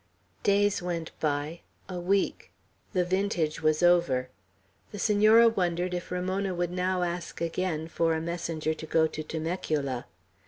Days went by; a week. The vintage was over. The Senora wondered if Ramona would now ask again for a messenger to go to Temecula.